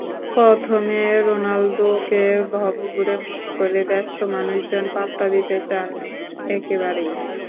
প্রথমে রোনালদোকে ভবঘুরে মনে করে ব্যস্ত মানুষজন পাত্তা দিতে চাননি একেবারেই।